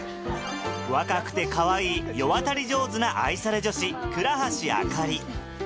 若くてかわいい世渡り上手な愛され女子倉橋朱里